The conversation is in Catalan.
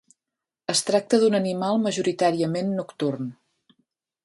Es tracta d'un animal majoritàriament nocturn.